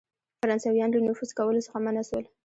فرانسیویان له نفوذ کولو څخه منع سول.